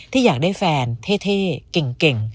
อยากได้แฟนเท่เก่ง